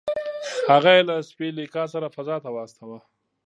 هغه یې له سپي لیکا سره فضا ته واستاوه